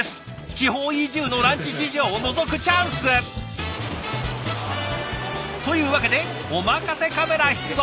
地方移住のランチ事情をのぞくチャンス！というわけでお任せカメラ出動！